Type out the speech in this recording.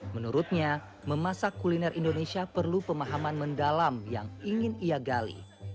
menurutnya memasak kuliner indonesia perlu pemahaman mendalam yang ingin ia gali